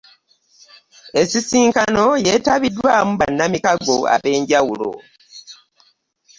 Ensisinkano yeetabiddwamu bannamikago eb'enjawulo